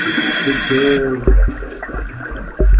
C'est que...